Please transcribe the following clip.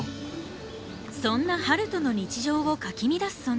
そんな春風の日常をかき乱す存在それは。